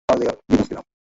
তিনি সে পদে কর্মরত ছিলেন।